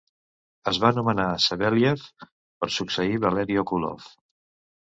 Es va nomenar Savelyev per succeir Valery Okulov.